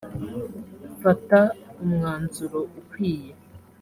mfata umwanzuro ukwiye